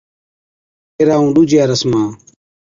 ڦيرا ائُون ڏُوجِيا رسما